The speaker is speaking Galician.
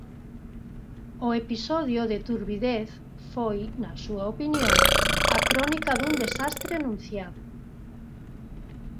O episodio de turbidez foi, na súa opinión, a "crónica dun desastre anunciado".